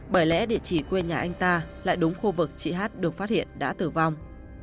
bởi lẽ địa chỉ quê nhà anh ta lại đúng khu vực chị hát được phát hiện đã tử vong